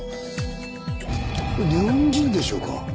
日本人でしょうか？